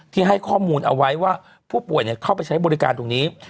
ให้ข้อมูลเอาไว้ว่าผู้ป่วยเข้าไปใช้บริการตรงนี้